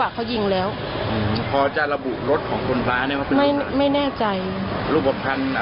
ว่าการหลบไหน